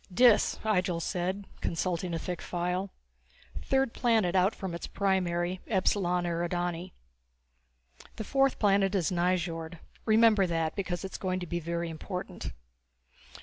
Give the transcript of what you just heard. V "Dis," Ihjel said, consulting a thick file, "third planet out from its primary, Epsilon Eridani. The fourth planet is Nyjord remember that, because it is going to be very important.